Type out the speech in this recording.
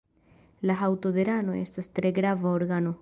La haŭto de rano estas tre grava organo.